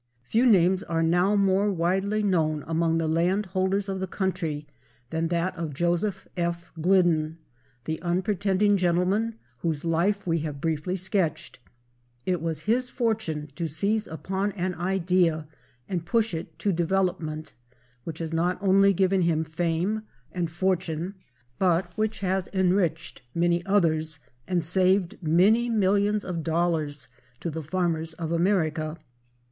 Few names are now more widely known among the land holders of the country than that of Joseph F. Glidden, the unpretending gentleman whose life we have briefly sketched. It was his fortune to seize upon an idea, and push it to development, which has not only given him fame and fortune, but which has enriched many others and saved many millions of dollars to the farmers of America.